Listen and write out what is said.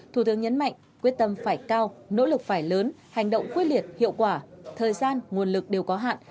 thủ tướng nhấn mạnh quyết tâm phải cao nỗ lực phải lớn hành động quyết liệt hiệu quả thời gian nguồn lực đều có hạn